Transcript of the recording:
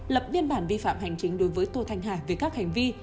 lập biên bản vi phạm hành chính đối với tô thanh hà về các hành vi